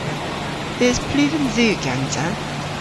Eus pluven dhu gansa?